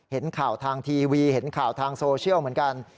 เห็นข่าวทางทีวีเห็นข่าวทางโซเชียลเหมือนกัน